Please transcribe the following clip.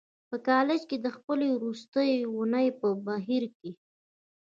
په کالج کې د خپلې وروستۍ اونۍ په بهير کې.